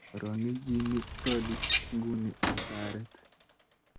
orokenchini kolik nguni hasaret